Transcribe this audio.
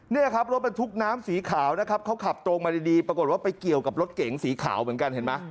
นี่ครับรถบรรทุกน้ำสีขาวนะครับเขาขับตรงมาดีปรากฏว่าไปเกี่ยวกับรถเก๋งสีขาวเหมือนกันเห็นไหม